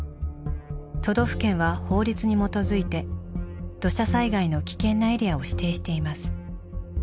都道府県は法律に基づいて土砂災害の危険なエリアを指定しています。